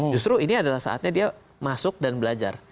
justru ini adalah saatnya dia masuk dan belajar